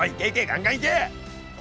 ガンガンいけ。